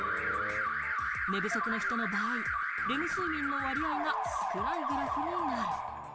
寝不足の人の場合、レム睡眠の割合が少ないグラフになる。